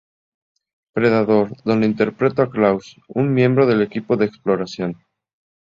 Predator donde interpretó a Klaus, un miembro del equipo de exploración.